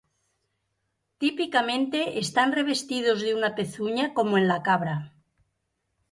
Típicamente están revestidos de una pezuña como en la cabra.